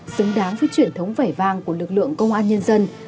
xứng đáng với truyền thống vẻ vang của lực lượng công an nhân dân